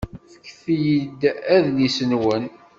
Fket-iyi-d adlis-nwen.